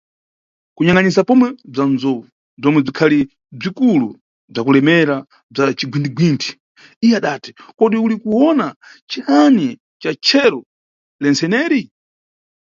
Kuyangʼanisisa pomwe bza nzowu, bzomwe bzikhali bzikulu bzakulemera bza cigwinthi-gwinthi, iye adati, kodi uli kuwona ciyani na cheru lentseneri?